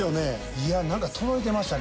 いやなんか届いてましたね